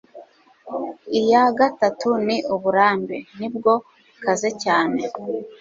iya gatatu ni uburambe, ni bwo bukaze cyane